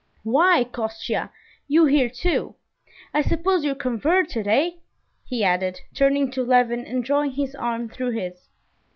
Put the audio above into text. "Why, Kostya, you here too! I suppose you're converted, eh?" he added, turning to Levin and drawing his arm through his.